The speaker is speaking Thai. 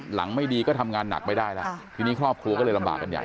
ไม่ดีก็ทำงานหนักไม่ได้แล้วทีนี้ครอบครัวก็เลยลำบากกันใหญ่